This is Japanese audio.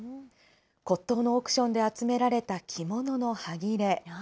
骨董のオークションで集められた着物のはぎれ。